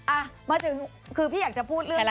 อ่ะมาถึงคือพี่อยากจะพูดเรื่องอะไร